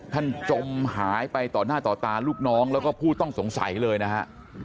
จมหายไปต่อหน้าต่อตาลูกน้องแล้วก็ผู้ต้องสงสัยเลยนะฮะ